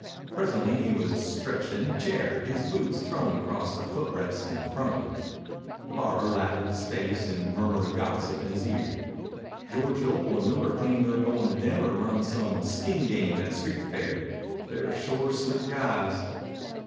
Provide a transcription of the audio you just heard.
Presently he was stretched in a chair, his boots thrown across the foot rest in front of him. The barber lathered his face and murmured gossip in his ear. "George Doble and Miller claim they're goin' to Denver to run some skin game at a street fair. They're sure slick guys."